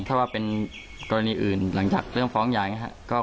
ถ้าว่าเป็นกรณีอื่นหลังจากเรื่องฟ้องยายนะครับ